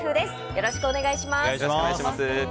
よろしくお願いします。